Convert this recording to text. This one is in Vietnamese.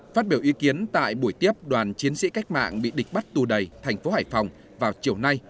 phát biểu ý kiến tại buổi tiếp đoàn chiến sĩ cách mạng bị địch bắt tù đầy thành phố hải phòng vào chiều nay